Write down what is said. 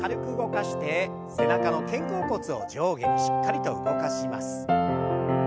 背中の肩甲骨を上下にしっかりと動かします。